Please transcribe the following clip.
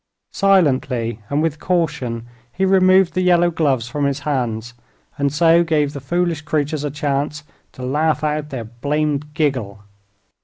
Silently and with caution he removed the yellow gloves from his hands, and so gave the foolish creatures a chance "to laugh out their blamed giggle."